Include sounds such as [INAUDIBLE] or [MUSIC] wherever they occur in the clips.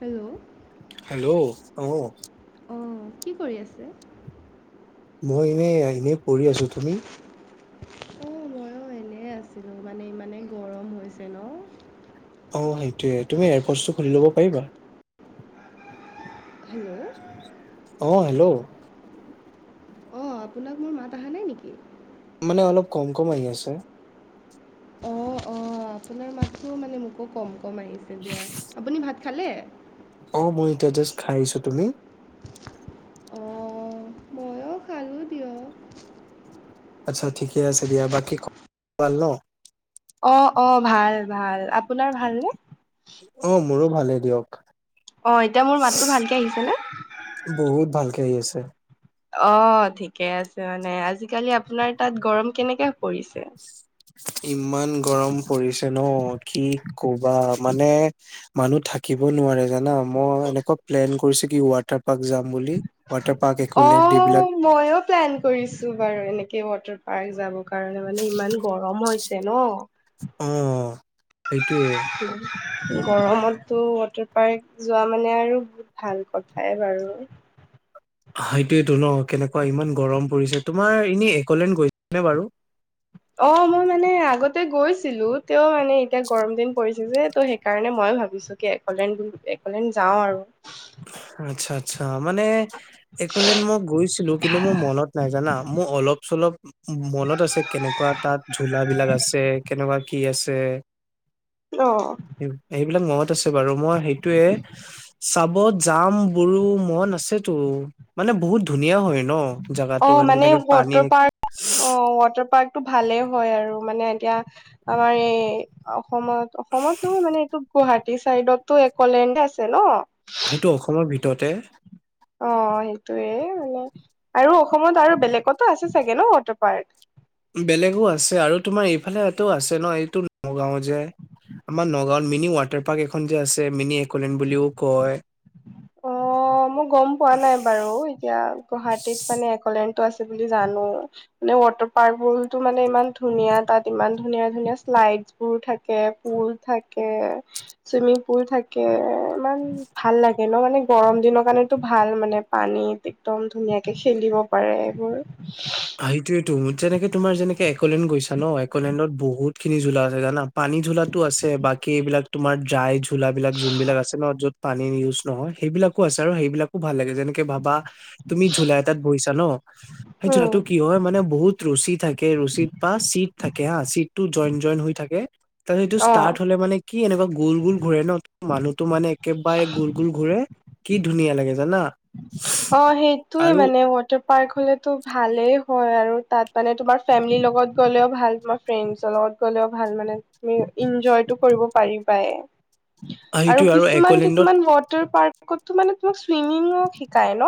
Hello hello আঁহ। অ কি কৰি আছে? মই এই এনেই পৰি আছো। তুমি? অঁ মইও এনেই আছিলো মানে ইমানে গৰম হৈছে ন। অঁ সেইটোয়ে তুমি এয়াৰপৰ্চটো খুলি ল'ব পাৰিবা? হেল্ল' আহ হেল্ল' অঁ আপোনাক মোৰ মাত অহা নাই নেকি? মানে অলপ কম কম আহি আছে। অ অ আপোনাৰ মাতটো মানে মোকো কম কম আহিছে দিয়া। আপুনি ভাত খালে। অঁ মই এতিয়া জাষ্ট খাই আহিছো। তুমি? অঁহ মইও খালো দিয়ক। আচ্ছা ঠিকে আছে দিয়া বাকী ভাল ন? অ অ ভাল ভাল। আপোনাৰ ভালনে? অ মোৰো ভালেই দিয়ক। অ এতিয়া মোৰ মাতটো ভালকে আহিছে ন। ভাল কে আহি আছে। অ ঠিকে আছে মানে, আজিকালি আপোনাৰ তাত গৰম কেনেকে পৰিছে? ইমান গৰম পৰিছে ন' কি কবা মানে। মানুহ থাকিব নোৱাৰে জানা মই এনেকোৱা প্লেন কৰিছো কি ৱাটাৰ। পাৰ্ক যাম বুলি ৱাটাৰ পাৰ্ক অ একলেণ্ড এইবিলাক মইও প্লেন কৰিছো বাৰু এনেকে। ৱাটাৰ পাৰ্ক যাবৰ কাৰণে মানে ইমান গৰম হৈছে ন? অ সেইটোৱে। গৰমত টো ৱাটাৰ পাৰ্ক যোৱা মানে আৰু বহুত ভাল কথাই বাৰু সেইটোৱে টো ন কেনেকোৱা ইমান গৰম পৰিছে। তোমাৰ এনেই একলেন গৈছা নে বাৰু? অ মই মানে আগত এ গৈছিলো তেওঁ মানে এতিয়া গৰম দিন পৰিছে যে ত' সেইকাৰণে মই ভাবিছো কি একলেন এ এইফালে যাওঁ আৰু আচ্ছা আচ্ছা মানে একলেণ্ড মই গৈছিলো কিন্তু মোৰ মনত নাই জানা। মোৰ অলপ চলপ মনত আছে কেনেকোৱা তা'ত ঝোলা বিলাক আছে কেনেকোৱা কি আছে। অ', এই বিলাক মনত আছে বাৰু মই সেইটোয়ে চাবত যাম মোৰো মন আছেতো মানে বহুত ধুনীয়া হয়। ন অ জাগাটো মানে তেনেকে পানী ৱাটাৰ পাৰ্ক অ ৱাটাৰ পাৰ্ক টো ভালে। হয় আৰু মানে এতিয়া আমাৰ এই অসমত অসমত নহয় মানে- ত' গুৱাহাটী চাইডতো একলেণ্ড আছে ন। সেইটো অসমৰ ভিতৰতে অ সেইটোৱে মানে আৰু অসমত আৰু বেলেগতো আছে চাগে ন ৱাটাৰ পাৰ্ক। বেলেগো আছে আৰু তোমাৰ এইফালে ত আছে ন এইটো নগাঁও যে। আমাৰ নগাঁৱত মিনি ৱাটাৰ পাৰ্ক এখন যে আছে মিনি একলেনড বুলিও কয়। অ মই গম পোৱা নাই বাৰু এতিয়া গুৱাহাটীত মানে একলেন আছে বুলি জানো ত ৱাটাৰ পাৰ্কবোৰ মানে ইমান ধুনীয়া তাত ইমান ধুনীয়া ধুনীয়া শ্লা বাইক বোৰ থাকে, পুল থাকে, চুইমিং পুল থাকে ইমান ভাল লাগে। এনেও মানে গৰম দিনৰ কাৰণেতো ভাল মানে পানীত একদম ধুনীয়াকে খেলিব পাৰে এইবোৰ। অ সেইটোৱেতো তো যেনেকে তোমাৰ যেনেকে একলেণ্ড গৈছা ন, একলেণ্ডত বহুত খিনি জোলা আছে জানা পানী জুন, জুলাইতো আছে। বাকী এইবিলাক টো তোমাৰ চাইজ- ঝোলাবিলাক যোনবিলাক আছে ন য'ত পানী ইউজ নহয়, সেইবিলাকো আছে আৰু সেইবিলাকো ভাল লাগেছে। যেনেকে ভাবা তুমি ঝুলাই এটাত বহিছা ন সেই উম। ঝোলাটো কি হয় মানে বহুত ৰচী থাকে ৰচীত বা চিট থাকে হা চিট টো জইন জইন হৈ থাকে তাৰপিছত ইটো অ ষ্টাৰ্ট হলে মানে কি এনেকোৱা গোল গোল ঘূৰে ন মানুহটো মানে একেবাৰে গোল গোল ঘূৰে কি ধুনীয়া লাগে জানা। অ সেইটোয়ে আৰু মানে ৱাটাৰ পাৰ্ক হলেতো ভালেই হয় আৰু তাত মানে তোমাৰ ফেমিলিৰ লগত গ'লেও ভাল। তোমাৰ ফ্ৰেণ্ডছৰ লগত গ'লেও ভাল মানে। উম্ ইঞ্জয়টো কৰিব পাৰিবাই। অ', আৰু সেইটো কিছুমান একলেণ্ডত কিছুমান ৱাটাৰ পাৰ্কতো মানে তোমাক চুইমিং শি কাই ন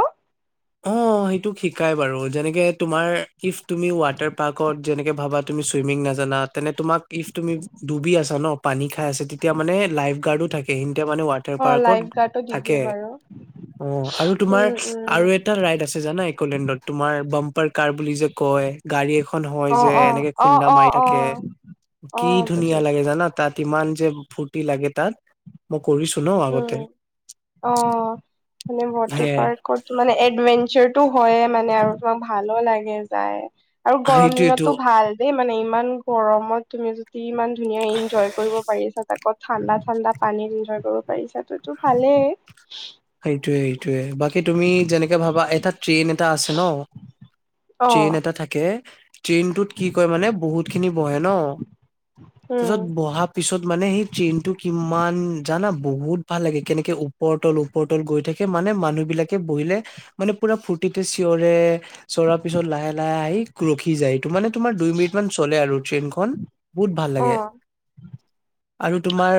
অ সেইটো শিকাই বাৰু যেনেকে তোমাৰ, ইফ তুমি ৱাটাৰ পাৰ্কত যেনেকে ভাবা তুমি চুইমিং নাজানা তেনে তোমাক ইফ তুমি ডুবি আছা ন পানী খাই আছে তেতিয়া মানে লাইফ গাৰ্ডো থাকে এতিয়া মানে ৱাটাৰ অ পাৰ্কত লাইফ গাৰ্ডো দি থাকে দিয়ে বাৰু অ আৰু তোমাৰ উম উম আৰু এটা ৰাইড আছে জানা একলেণ্ডত। তোমাৰ বাম্পাৰ কাৰ বুলি যে কয় গাড়ী এখ খন হয় অ যে অ এনেকে অ খুন্দা অ মাৰি অ থাকে অ কি ধুনীয়া বুজিছো লাগে জানা তাত। কিমান যে ফুৰ্টি লাগে তাত উম উ অ মানে ৱাটাৰ সেয়াই পাৰ্কত মনে এণ্টমেন হয়ে মানে আৰু তোমাক ভালো লাগে যায় আৰু গৰম সেইটোয়েতো দিনতো ভাল দে মানে ইমান গৰমত তুমি যদি ইমান ধুনীয়া ইঞ্জয় কৰিব পাৰিছা- আকৌ ঠাণ্ডা - ঠাণ্ডা পানী ইঞ্জয় কৰিব পাৰিছা তইটো ভালেই। সেইটোৱে এই টোৱে। বাকী তুমি যেনেকে ভাবা এটা ট্ৰেইন এটা আছে ন', অ ট্ৰেইন এটা থাকে ট্ৰেইনটোত কি কয় মানে বহুতখিনি বহে ন' উম তাৰপিছত বহা পিছত মানে সেই ট্ৰেইনটো কিমান জানা বহুত ভাল লাগে, কেনেকে ওপৰ-তল ওপ পৰ-তল গৈ থাকে। মানে মানুহবিলাকে বহিলে মানে পুৰা ফূৰ্তিতে চিঞৰে, চিঞৰাৰ পিছত লাহে - লাহে আহি ৰখি যায়। ইটো মানে তোমাৰ দুই মিনিট মান চলে আৰু ট্ৰেইনখন। বহুত ভাল অ লাগে। আৰু তোমাৰ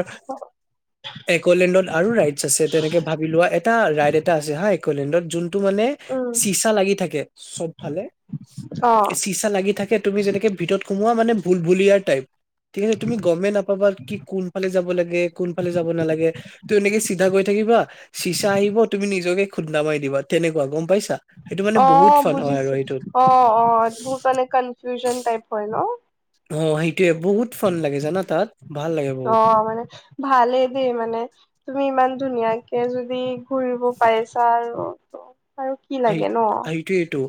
একলেণ্ডত আৰু ৰাইটছ আছে তেনেকে ভাবি লোৱা, এটা ৰাইড এটা আছে হা, ইকলেণ্ডত। জোন টো মানে উম চিচা লাগি থাকে, চব ফালে। অ চিচা লাগি থাকে। তুমি যেনেকে ভিতৰত সোমোৱা, মানে ভুল-ভুলিয়াৰ টাইপ। ঠিক আছে। তুমি গমেই নাপাবা কি কোনফালে যাব লাগে, কোনফালে যাব নালাগে। তো এনেকে চিন্তা কৰি থাকিবা। চিচা আহিব, তুমি নিজকে খুন্দা মাৰি দিবা। তেনেকুৱা, গম পাইছা? সেইটো মানে বহুত অ' ফান হয় আৰু বুজিছোঁ। সেইটোত অ' - অ' ইটো বহুত মানে কনফিউজন টাইপ হয় ন'? অ' সেইটোয়ে বহুত ফান লাগে, জানা তাত? ভাল লাগে বহুত অ' মানে ভালেই দে মানে তুমি ইমান ধুনীয়াকে যদি ঘূৰিব পাইছা আৰু তো আৰু কি সেই লাগে ন'? সেইটোয়েইটো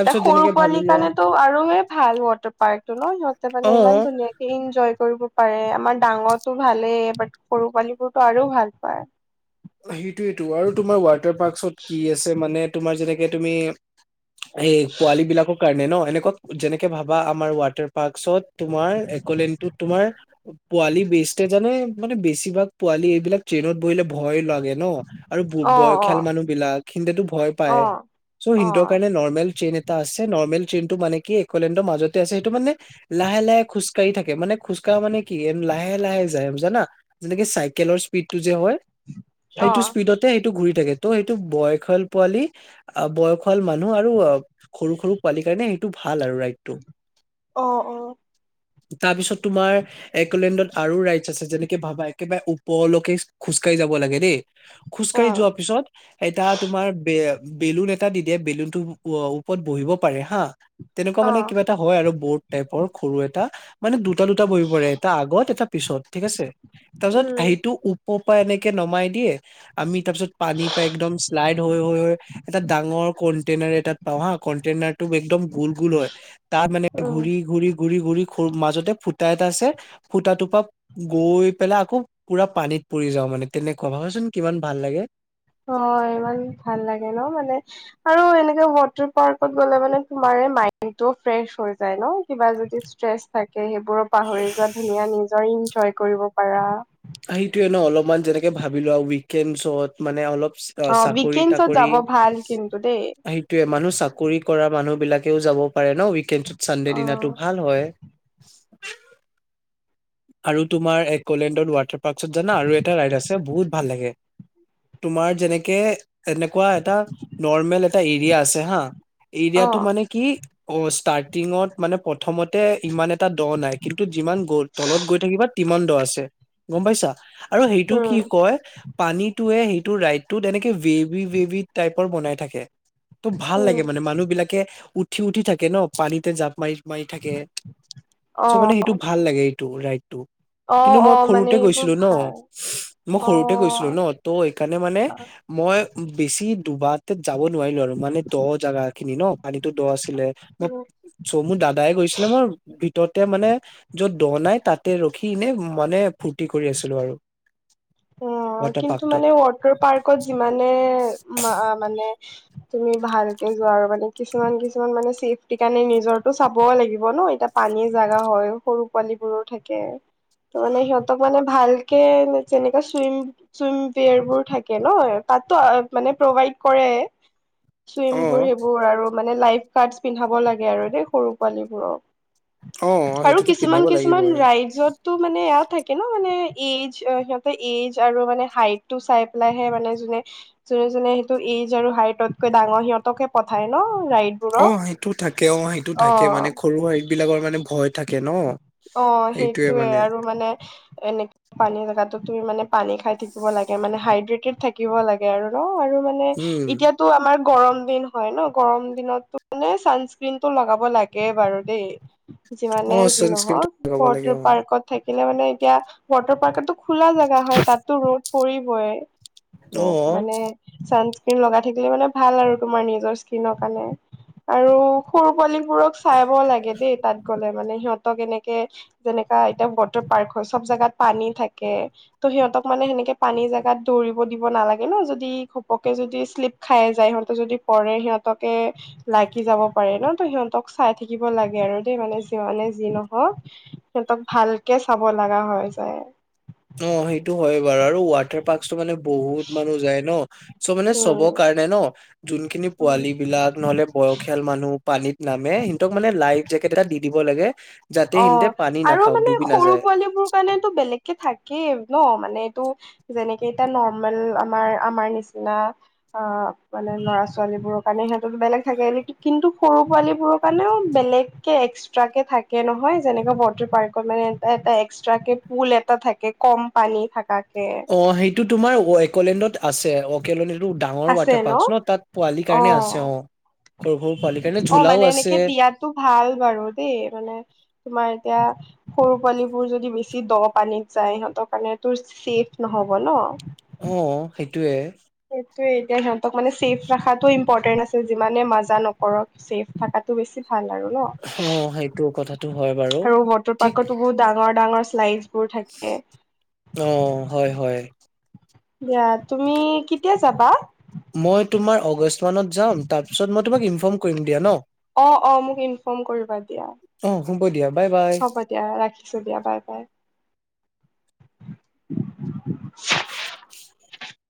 এতিয়া সৰু যেনেকে পোৱালি ভাবি লোৱা কাৰণেতো আৰু হে ভাল ৱাটাৰ পাৰ্কতটো ন'? সিহঁতে মানে অ ইমান ধুনীয়াকে ইনজয় কৰি ব পাৰে। আমাৰ ডাঙৰটো ভালেই, বাট সৰু পোৱালিবোৰতো আৰু ভাল পায়। সেইটোৱেটো। আৰু তোমাৰ ৱাটাৰ পাৰ্কচত কি আছে, মানে তোমাৰ যেনেকে তুমি এই পোৱালীবিলাকৰ কাৰণে ন', এনে কুৱা যেনেকে ভাবা আমাৰ ৱাটাৰ পাৰ্কচত তোমাৰ একলেনতোত তোমাৰ পোৱালি বে ষ্টজনে মানে বেছিভাগ পোৱালি এইবিলাক ট্ৰেইনত বহিলে ভয় লাগ ন', আৰু ব- অ অ বয়সীয়াল মানুহবিলাক, সিন্তেতো ভয় অ পায়। ছো অ সিন্তৰ কাৰণে নৰ্মেল ট্ৰেইন এটা আছে। নৰ্মেল ট্ৰেইনটো মানে কি, এলেণ্ডৰ মাজতে আছে। সেইটো মানে লাহে - লাহে খোজকাঢ়ি থাকে, মানে খোজকাঢ়া মানে কি, এন- লাহে - লাহে যায় জানা? যেনেকে চাইকেলৰ স্পীডটো যে হয় অ সেইটো স্পীডতে সেইটো ঘূৰি থাকে। তো সেইটো বয়খাল পোৱালি, অ'- বয়সুৱাল মানুহ আৰু অ' সৰু - সৰু পোৱালি কাৰণে এইটো ভাল আৰু ৰাইডটো। অ' - অ'। তাৰ পিছত তোমাৰ, একলেণ্ডত আৰু ৰাইডছ আছে। যেনেকে ভাবা একেবাৰে ওপৰলৈকে খোজ খোজকাঢ়ি যাব লাগে দেই। অ অ খোজকাঢ়ি উম যোৱাৰ পিছত এটা তোমাৰ বে বেলুন এটা দি দিয়ে। বেলুনটো ওপৰত বহিব পাৰে হা। তেনেকুৱা অ মানে কিবা এটা হয় আৰু বোট টাইপৰ, সৰু এটা। মানে দুটা - দুটা বহি পাৰে, এটা আগত, এটা পিছত, ঠিক আছে। তাৰপিছত আ- উম সেইটো ওপ ৰৰ পৰা এনেকে নমাই দিয়ে। আমি তাৰপিছত পানী পাই একদম শ্লাইড হৈ - হৈ - হৈ, এটা ডাঙৰ কণ্টেইনাৰ এটাত পাওঁ হা। কণ্টেইনাৰটো একম গুল - গুল হয়। তাত মানে উম ঘূৰি - ঘূৰি ঘূৰি - ঘূৰি মাজতে ফুটা এটা আছে, ফুটাটোৰ পৰা গৈ পেলাই আকৌ পুৰা পানীত পৰি যাওঁ মানে তেনেকুৱা। ভাবাচোন কিমান ভাল লাগে? অ' ইমান ভাল লাগে ন'? মানে আৰু এনেকে ৱাটাৰ পাৰ্কত গ'লে মানে তোমাৰ মাইণ্ডটো ফ্ৰেছ হৈ যায় ন'? কিবা যদি ষ্ট্ৰেছ থা কে। সেইবোৰো পাহৰি যোৱা। ধুনীয়া নিজৰ ইনজয় কৰিব পাৰা। সেইটোৱে ন'? অলপমান, যেনেকে ভাবি লোৱা উইকেণ্ডছত মানে অলপ অ' উইকেণ্ডছত চাকৰি-তাকৰি। যাব ভাল কিন্তু দেই সেইটোৱে, মানুহ চাকৰি কৰা মানুহবিলাকেও যাব পাৰে ন', উইকেণ্ডছত? চানডে অ দিনাটো ভাল হয়। আৰু তোমাৰ একোলেণ্ডত ৱাটাৰ পাৰ্কছত জানা? আৰু এটা ৰাইড আছে, বহুত ভাল লাগে। তোমাৰ যেনেকে এনেকুৱা এটা নৰ্মেল এটা এৰিয়া আছে, হা। অ এৰিয়াটো মানে কি অ ষ্টাৰ্টিংত মানে প্ৰথমতে ইমান এটা দ নাই কিন্তু যিমান গ'ল থাকিবা তিমানড আছে গম পাইছা আৰু সেইটো কি উম কয় পানীটোৱে সেইটো ৰাইডটোত এনেকে ভেবি ভেবি টাইপৰ বনাই থাকে। ত ভাল উম লাগে মানে মানুহ বিলাকে উঠি উঠি থাকে ন পানীতে জাপ মাৰি মাৰি থাকে অ চ' মানে সেইটো ভাল লাগে এইটো ৰাইডটো। অ কিন্তু অ মই মানে সৰুতে এইবোৰ গৈছিলো ন ভাল মই অ সৰুতে গৈছিলো ন ত' এইকাৰণে মানে মই বেছি দুবাত তাত যাব নোৱাৰিলো আৰু মানে দ জাগা খিনি ন। পানীতো দ আছিলে মই চ মোৰ দাদাই গৈছিলে মই ভিতৰতে মানে য'ত দনাই তাতে ৰখি এনে মানে ফূৰৰ্তি কৰি আছিলো আৰু। অ ৱাটাৰ কিন্তু পাৰ্ক মানে ৱাটাৰ পাৰ্কত যিমানে মানে তুমি ভালকে যোৱা আৰু মানে কিছুমান কিছুমান মানে চেফটি কাৰণে নিজৰটো চাব লাগিব ন এতিয়া পানী পানী জোগা হয় সৰু পোৱালী বোৰ থাকে। ত মানে সিহঁতক মানে ভালকে যেনেকা চুইম চুইম বিয়েৰ বোৰ থাকে নহ তাতো মানে প্ৰভাইড কৰে। চুইম অ বোৰ সেইবোৰ আৰু মানে লাইফ গাৰ্ড পিন্ধাব লাগে আৰু দেই সৰু পোৱালীবোৰক অ আৰু সেইটোতো কিছুমান পিন্ধাব কিছুমান লাগিবই ৰাইজতটো মানে এয়া থাকে ন মানে এজ এইজ আৰু মানে হাইট টো চাই পেলাইহে মানে যোনে যোনে যোনে সেইটো এইজ আৰু হাইটত ডাঙৰ সিহঁতকে পঠায় ন? অ ৰাইডবোৰক সেইটো থাকে অ সেইটো থাকে অ মানে সৰু হাইট বিলাকৰ মানে ভয় থাকে ন। অ সেইটোয়ে আৰু মানে এনেকে পানী জেগাতো তুমি মানে পানী খাই থাকিব লাগে মানে হাইড্ৰেটেড থাকিব লাগে আৰু ন আৰু মানে উম এতিয়াটো আমাৰ গৰম দিন হয় ন গৰম দিনতো মানে চানস্ক্ৰনতটো লগাব লাগে বাৰু দেই অ যিমানে যি চানস্ক্ৰীমটো নহওক লগাব লাগে ৱাটাৰ অ পাৰ্কত থাকিলে মানে এতিয়া ৱাটাৰ পাৰ্কতো খোলা জেগা হয় তাতো ৰ'দ পৰিবই। ত অ মানে চ সেইখিনি লগাই থাকিলে মানে ভাল আৰু তোমাৰ নিজৰ স্কিনৰ কাৰণে আৰু সৰু পোৱালি বোৰক চাব লাগে দেই তাত গ'লে মানে সিহঁত তক এনেকে যেনেকা এতিয়া ৱাটাৰ পাৰ্ক হয়, চব জাগাত পানী থাকে ত সিহঁতক মানে সেনেকেই সক পানী জোগাত দৌৰিব দিব নালাগে ন, যদি ঘপকে যদি শ্লিপ খাই যায়, সিহঁতে যদি পৰে সিহঁতকে লাগি যাব পাৰে ন, ত সিহঁতক চাই থাকিব লাগে আৰু দেই মানে যিমানে যি নহওঁক সিহঁতক ভালকে চাব লগা হয় যায়। অ সেইটো হয় বাৰু আৰু ৱাটাৰ [UNINTELLIGIBLE] টো মানে বহুত মানুহ যায় ন চ' মানে উম। চবৰ কাৰণে ন যোনখিনি পোৱালি বিলাক নহলে বয়সীয়াল মানুহ পানীত নামে সিহঁতক মানে লাইফ জেকেট এটা দি দিব লাগে। যাতে অ সিহঁতে পানী আৰু নাখাওক মানে ডুবি সৰু নাযায় পোৱালী বোৰ কাৰনেটো বেলেগকে থাকেই। ন মানে এইটো যেনেকে কেইটা নৰ্মেল আমাৰ আমাৰ নিচিনা মানে ল'ৰা ছোৱালী বোৰৰ কাৰণে সিহঁত বেলেগ থাকে কিন্তু সৰু পোৱালী বোৰৰ কাৰণেও বেলেগকে এক্সট্ৰাক কে থাকে নহয় যেনেকা ৱাটাৰ পাৰ্কত মানে এ এটা এক্সট্ৰাক কে পুল এটা থাকে কম পানী থাকা অ সেইটো তোমাৰ এৱকলেণ্ডত আছে অকড টো ডাঙৰ ৱাটাৰ পাৰ্ক ন তাত পোৱালিৰ কাৰণে আছে অ সৰু সৰু পোৱালি কাৰণে অ ঝোলাও মানে আছে এনেকে দিয়ো ভাল বাৰু দেই মানে তোমাৰ এতিয়া সৰু পোৱালিবোৰ যদি বেছি দ পানীত যায় সিহঁতৰ কাৰণে তো ছেফ নহ'ব ন অ সেইটোয়ে এতিয়া সিহঁতক মানে চেফ ৰখাতটো ইম্পৰ্টেন্ট আছে যিমানে মজা নকৰক ছেফ থাকাটো বেছি ভাল আৰু ন অ সেইটো কথাটো হয় বাৰু আৰু মটৰ ঠিক পাৰ্কো বহুত ডাঙৰ ডাঙৰ শ্লাইডছ বোৰ থাকে অ হয় হয় দিয়া তুমি কেতিয়া যাবা মই তোমাৰ অগষ্ট মানত যাম, তাৰপিছত মই তোমাক ইনফৰ্ম কৰিম দিয়া ন। অ অ মোক ইনফৰ্ম কৰিবা দিয়া। অ হ'ব দিয়া বাই বাই হ'ব দিয়া ৰাখিছো দিয়া বাই বাই। [INAUDIBLE]